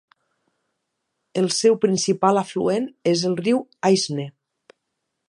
El seu principal afluent és el riu Aisne.